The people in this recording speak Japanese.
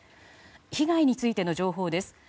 被害についての情報です。